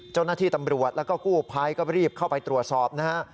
เจ้าหน้าที่ตำรวจแล้วก็กู้ภัยก็รีบเข้าไปตรวจสอบนะฮะ